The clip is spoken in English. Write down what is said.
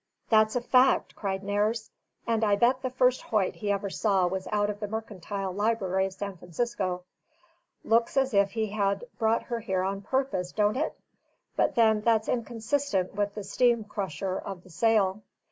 "That's a fact!" cried Nares; "and I bet the first Hoyt he ever saw was out of the mercantile library of San Francisco. Looks as if he had brought her here on purpose, don't it? But then that's inconsistent with the steam crusher of the sale.